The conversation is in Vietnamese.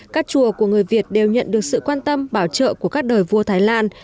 các chùa của người việt đều nhận được sự quan tâm bảo trợ của các đời vua thái lan